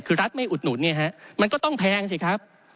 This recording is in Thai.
คือรัฐไม่อุดหนุนมันก็ต้องแพงสิครับ